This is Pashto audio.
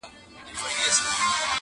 o چي کوچنى و نه ژاړي، مور تى نه ورکوي٫